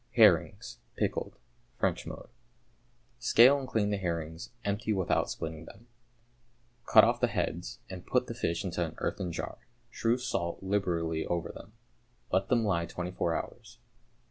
=Herrings, Pickled= (French mode). Scale and clean the herrings, empty without splitting them. Cut off the heads, and put the fish into an earthern jar, strew salt liberally over them; let them lie twenty four hours.